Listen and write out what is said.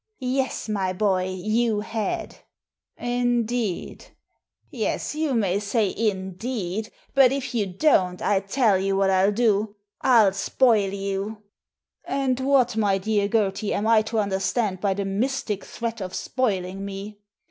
" Yes, my boy, you had." •'Indeed?* Yes, you may say ' indeed,' but if you don't I tell you what I'll do— FU spoil you." And what, my dear Gertie, am I to understand by the mystic threat of spoiling me?"